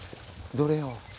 どれよ？